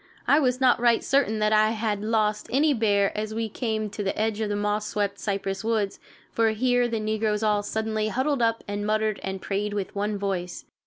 I was not right certain that I had lost any bear as we came to the edge of the moss swept cypress woods, for here the negroes all suddenly huddled up and muttered and prayed with one voice.